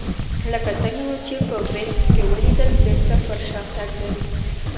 لکه څنګه مو چې په وینز کې ولیدل بېرته پر شا تګ لري